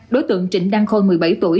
đối tượng trịnh đăng khôi một mươi bảy tuổi